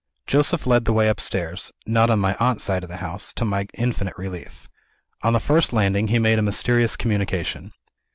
Joseph led the way upstairs not on my aunt's side of the house, to my infinite relief. On the first landing, he made a mysterious communication.